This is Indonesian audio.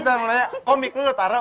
jangan jangan komik lo taruh